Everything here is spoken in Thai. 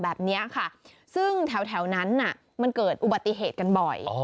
แบบนี้ค่ะซึ่งแถวนั้นมันเกิดอุบัติเหตุกันบ่อย